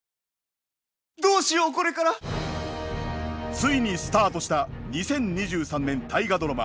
ついにスタートした２０２３年大河ドラマ